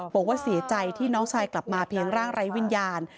บอกว่าเสียใจที่น้องชายกลับมาเพียงร่างไร้วิญญาณ